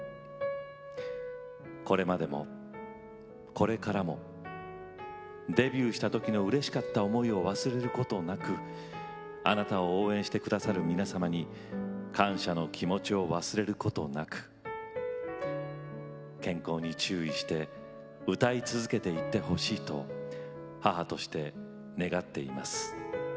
これまでもこれからもデビューした時のうれしかった思いを忘れることなくあなたを応援して下さる皆様に感謝の気持ちを忘れることなく健康に注意して歌い続けていってほしいと母として願っています。